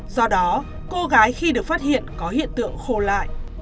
do đó cô gái khi được phát hiện có hiện tượng khô lại